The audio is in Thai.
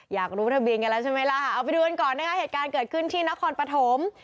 อยากรู้ทะเบียนกันแล้วใช่ไหมล่ะเอาไปดูกันก่อนนะคะเหตุการณ์เกิดขึ้นที่นครปฐม